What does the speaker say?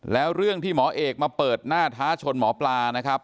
แล้วเรื่องที่หมอเอกมาเปิดหน้าท้าชนหมอปลานะครับ